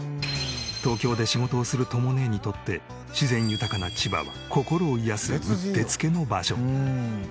東京で仕事をするとも姉にとって自然豊かな千葉は心を癒やすうってつけの場所。